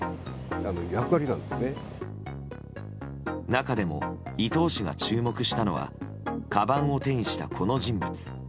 中でも伊藤氏が注目したのはかばんを手にしたこの人物。